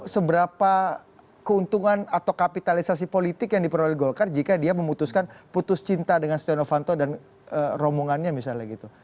seberapa keuntungan atau kapitalisasi politik yang diperoleh golkar jika dia memutuskan putus cinta dengan stiano fanto dan rombongannya misalnya gitu